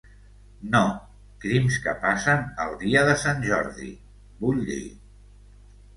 No, crims que passen el dia de Sant Jordi, vull dir.